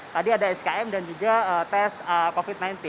tadi ada skm dan juga tes covid sembilan belas